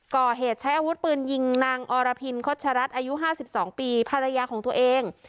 ก่อเหตุใช้อาวุธปืนยิงนางอรพินโฆษรัฐอายุ๕๒ปีภรรยาของตัวเอง